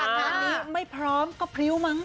งานนี้ไม่พร้อมก็พริ้วมั้ง